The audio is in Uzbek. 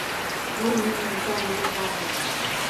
Bu uning vijdoniga bog'liq.